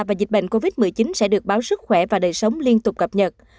và dịch bệnh covid một mươi chín sẽ được báo sức khỏe và đời sống liên tục cập nhật